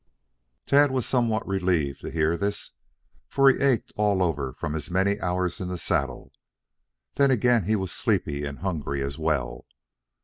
Tad was somewhat relieved to hear this, for he ached all over from his many hours in the saddle. Then again he was sleepy and hungry as well.